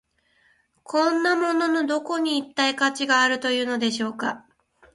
こんなもののどこに、一体価値があるというのでしょうか。